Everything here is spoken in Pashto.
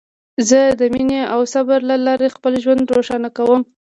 زه د مینې او صبر له لارې خپل ژوند روښانه کوم.